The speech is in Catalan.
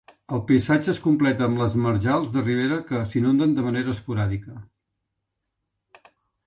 El paisatge es completa amb les marjals de ribera, que s'inunden de manera esporàdica.